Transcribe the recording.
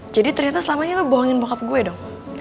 jadi ternyata selamanya lo bohongin bokap gue dong